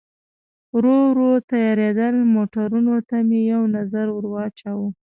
ورو ورو تیارېدل، موټرونو ته مې یو نظر ور واچاوه.